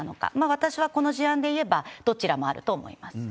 私はこの事案でいえば、どちらもあると思います。